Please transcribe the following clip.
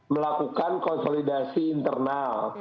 melakukan konsolidasi internal